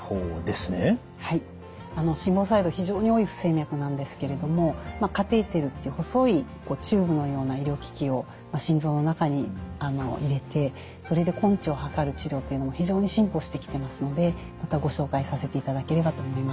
非常に多い不整脈なんですけれどもカテーテルっていう細いチューブのような医療機器を心臓の中に入れてそれで根治を図る治療というのも非常に進歩してきてますのでまたご紹介させていただければと思います。